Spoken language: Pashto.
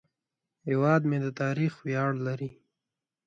هیواد مې د تاریخ ویاړ لري